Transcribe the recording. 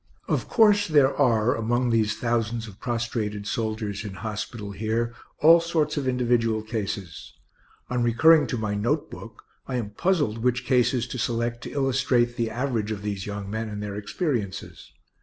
Of course there are among these thousands of prostrated soldiers in hospital here all sorts of individual cases. On recurring to my note book, I am puzzled which cases to select to illustrate the average of these young men and their experiences.